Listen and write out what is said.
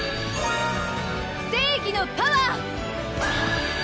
正義のパワー！